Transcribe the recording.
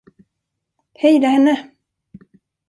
Hejda henne!